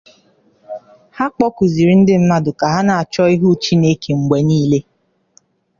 ọ kpọkùzịrị ndị mmadụ ka ha na-achọ ihu Chineke mgbe niile